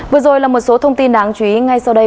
vừa rồi là một số thông tin đáng chú ý ngay sau đây